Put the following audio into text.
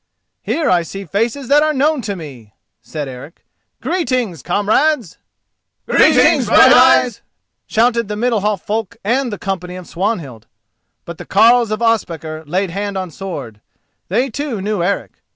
"Here I see faces that are known to me," said Eric. "Greetings, comrades!" "Greetings, Brighteyes!" shouted the Middalhof folk and the company of Swanhild; but the carles of Ospakar laid hand on sword—they too knew Eric.